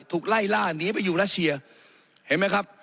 ถูกไล่ล่าหนีไปอยู่รัสเซียเห็นไหมครับ